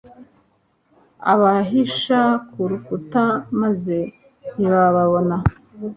Abahisha ku rukuta maze ntibababona